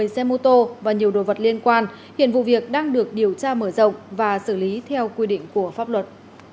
một mươi xe mô tô và nhiều đồ vật liên quan hiện vụ việc đang được điều tra mở rộng và xử lý theo quy định của pháp luật